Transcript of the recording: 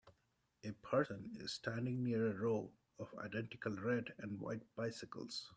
A person is standing near a row of identical red and white bicycles.